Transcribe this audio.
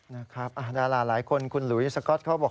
ดาราหลายคนคุณหลุยสก๊อตเขาบอก